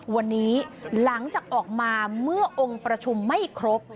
วันนี้หลังจากออกมาเมื่อองค์ประชุมไม่ครบ